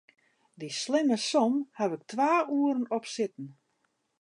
Dy slimme som haw ik twa oeren op sitten.